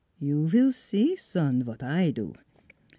You vill see, son, vat I do.